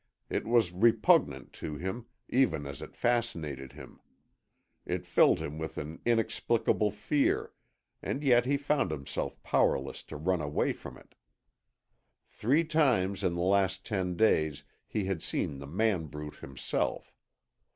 It was repugnant to him, even as it fascinated him. It filled him with an inexplicable fear, and yet he found himself powerless to run away from it. Three times in the last ten days he had seen the man brute himself.